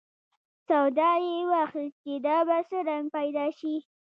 سودا یې واخیست چې دا به څه رنګ پیدا شي.